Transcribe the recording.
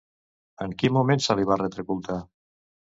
En quin moment se li va retre culte?